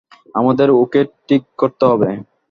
আমাদেরই ওকে ঠিক করতে হবে।